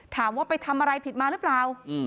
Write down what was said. ถามว่าไปทำอะไรผิดมาหรือเปล่า